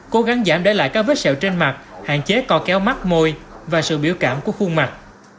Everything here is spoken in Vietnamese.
cố gắng giảm để lại các vết sẹo trên mặt hạn chế co kéo mắt môi và sự biểu cảm của khuôn mặt